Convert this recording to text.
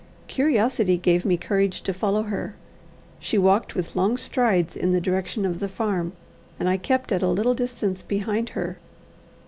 Curiosity gave me courage to follow her. She walked with long strides in the direction of the farm, and I kept at a little distance behind her.